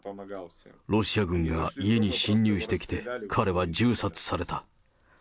ロシア軍が家に侵入してきて、彼は銃殺された。